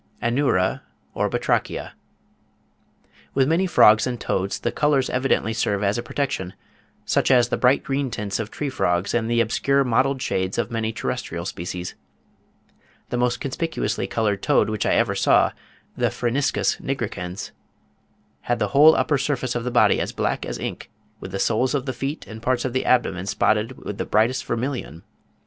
ANURA OR BATRACHIA. With many frogs and toads the colours evidently serve as a protection, such as the bright green tints of tree frogs and the obscure mottled shades of many terrestrial species. The most conspicuously coloured toad which I ever saw, the Phryniscus nigricans (45. 'Zoology of the Voyage of the "Beagle,"' 1843. Bell, ibid. p. 49.), had the whole upper surface of the body as black as ink, with the soles of the feet and parts of the abdomen spotted with the brightest vermilion.